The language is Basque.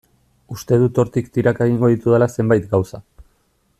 Uste dut hortik tiraka egingo ditudala zenbait gauza.